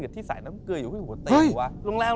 ไฟดับปุ่ม